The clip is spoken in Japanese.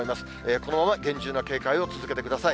このまま厳重な警戒を続けてください。